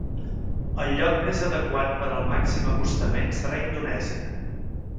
El lloc més adequat per al màxim acostament serà Indonèsia.